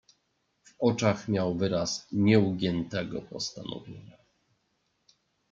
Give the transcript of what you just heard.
"W oczach miał wyraz nieugiętego postanowienia."